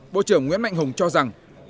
bộ trưởng nguyễn mạnh hùng cho rằng